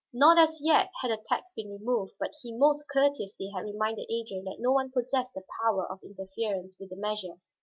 Not as yet had the tax been removed, but he most courteously had reminded Adrian that no one possessed the power of interference with the measure.